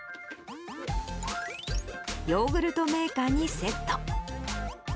ヨーグルトメーカーにセット。